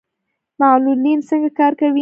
معلولین څنګه کار کوي؟